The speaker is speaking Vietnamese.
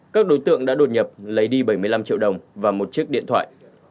các đối tượng đã đột nhập lấy đi bảy mươi năm triệu đồng và một chiếc điện thoại